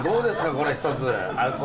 これ一つ。